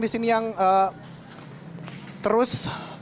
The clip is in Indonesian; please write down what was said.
di sini yang terus